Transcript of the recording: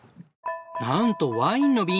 なんとワインの瓶。